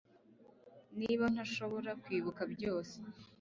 Niba ntashobora kwibuka byose